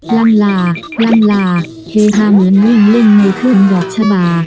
ลังลาลังลาเฮฮาเหมือนเล่นเล่นในครึ่งดอกฉบา